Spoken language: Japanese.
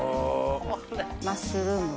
マッシュルームを。